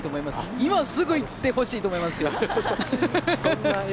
今すぐ行ってほしいと思いますよ。